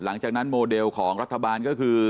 หลังจากนั้นโมเดลของรัฐบาลก็คือ